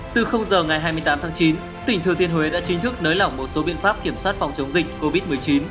từ h ngày hai mươi tám tháng chín tp hcm đã chính thức nới lỏng một số biện pháp kiểm soát phòng chống dịch covid một mươi chín